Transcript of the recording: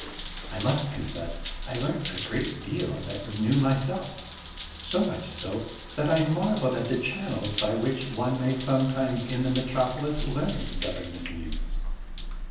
I must confess I learnt a great deal that was new myself, so much so that I marvelled at the channels by which one may sometimes in the metropolis learn government news.